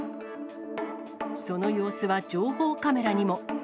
その様子は情報カメラにも。